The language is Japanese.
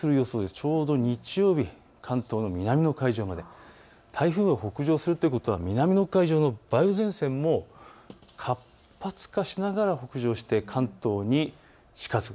ちょうど日曜日、関東の南の海上へ台風が北上するということは南の海上の梅雨前線も活発化しながら北上して関東に近づく。